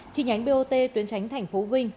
chi nhánh bot tuyến tránh thành phố vinh